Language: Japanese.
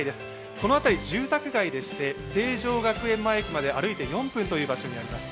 この辺り住宅街でして、成城学園前駅まで歩いて４分という場所にあります。